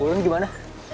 santeng juga lo